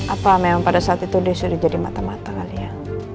apa memang pada saat itu dia sudah jadi mata mata kali ya